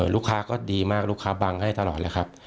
ลูกค้าก็ดีมากลูกค้าบังให้ตลอดเลยครับ